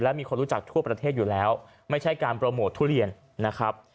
และมีคนรู้จักทั่วประเทศอยู่แล้วไม่ใช่การโปรโมททุเรียนนะครับ